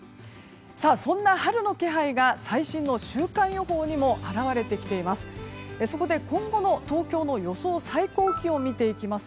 そんな春の気配が最新の週間予報にも表れてきています。